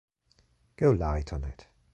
Go light on it.